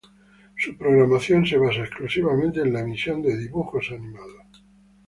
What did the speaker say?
Su programación se basa exclusivamente en la emisión de dibujos animados.